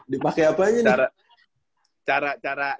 dipake apa aja nih